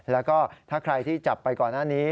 แล้วก็ถ้าใครที่จับไปก่อนหน้านี้